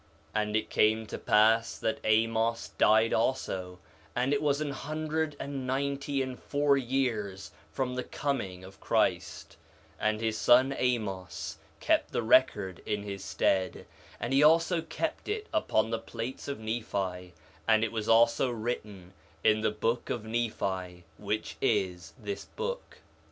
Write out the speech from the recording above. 4 Nephi 1:21 And it came to pass that Amos died also, (and it was an hundred and ninety and four years from the coming of Christ) and his son Amos kept the record in his stead; and he also kept it upon the plates of Nephi; and it was also written in the book of Nephi, which is this book.